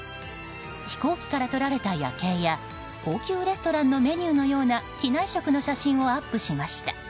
飛行機から撮られた夜景や高級レストランのメニューのような機内食の写真をアップしました。